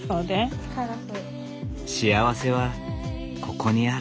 幸せはここにある。